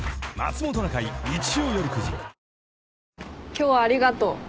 今日はありがとう。